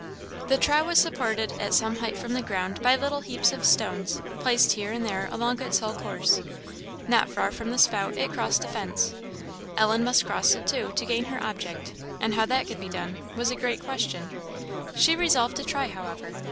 The trough was supported at some height from the ground by little heaps of stones, placed here and there along its whole course. Not far from the spout it crossed a fence. Ellen must cross it, too, to gain her object, and how that could be done, was a great question; she resolved to try, however.